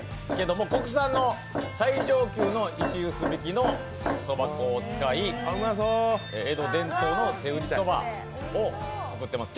国産の最上級の石臼びきのそば粉を使い江戸伝統の手打ちそばを作っています。